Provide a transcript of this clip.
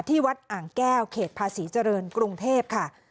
วัดอ่างแก้วเขตภาษีเจริญกรุงเทพค่ะ